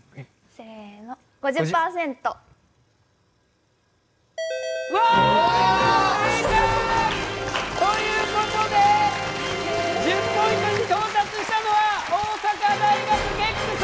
正解！ということで１０ポイントに到達したのは大阪大学ＧＥＣＳ。